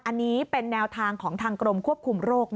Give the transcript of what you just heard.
อันนี้เป็นแนวทางของทางกรมควบคุมโรค